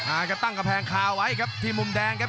อาจจะตั้งกำแพงคาไว้ครับที่มุมแดงครับ